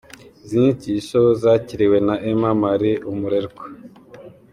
Izi nyigisho zakiriwe na Emma-Marie Umurerwa.